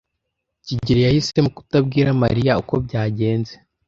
kigeli yahisemo kutabwira Mariya uko byagenze.